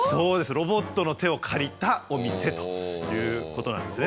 ロボットの手を借りたお店ということなんですね。